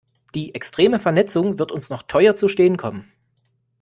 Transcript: Die extreme Vernetzung wird uns noch teuer zu stehen kommen.